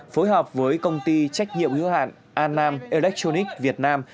phối hợp với công ty trách nhiệm yếu hạn annam electronics việt nam